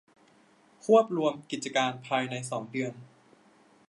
ควบรวมกิจการภายในสองเดือน